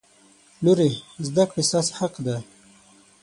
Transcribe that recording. لورې! زده کړې ستاسې حق دی.